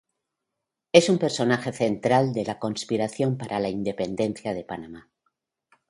Es un personaje central de la conspiración para la independencia de Panamá.